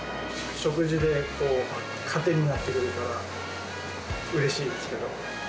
食事でこう、かてになってくれたら、うれしいですけど。